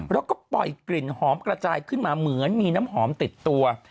แล้วก็ปล่อยกลิ่นหอมกระจายขึ้นมาเหมือนมีน้ำหอมติดตัว